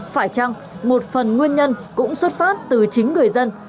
phải chăng một phần nguyên nhân cũng xuất phát từ chính người dân